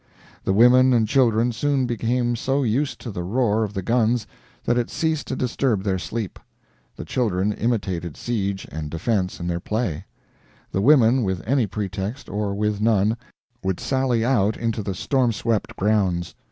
The women and children soon became so used to the roar of the guns that it ceased to disturb their sleep. The children imitated siege and defense in their play. The women with any pretext, or with none would sally out into the storm swept grounds.